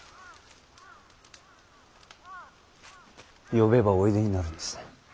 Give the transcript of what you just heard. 呼べばおいでになるんですね。